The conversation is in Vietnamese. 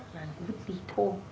là quýt bị thô